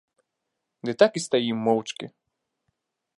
Ды так і стаім моўчкі.